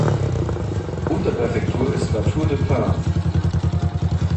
Unterpräfektur ist La Tour-du-Pin.